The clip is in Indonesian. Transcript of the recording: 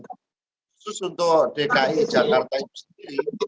khusus untuk dki jakarta itu sendiri